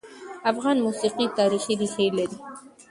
افغان موسیقي تاریخي ريښه لري.